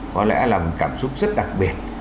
có lẽ là một cảm xúc rất đặc biệt